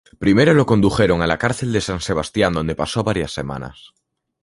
Primero lo condujeron a la cárcel de San Sebastián donde pasó varias semanas.